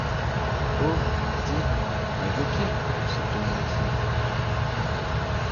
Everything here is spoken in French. Oh, dis, lève le pied, se plaignit Maxime